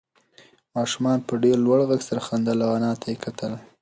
ماشوم په ډېر لوړ غږ سره خندل او انا ته یې کتل.